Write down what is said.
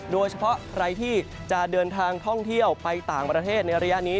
โดยเฉพาะใครที่จะเดินทางท่องเที่ยวไปต่างประเทศในระยะนี้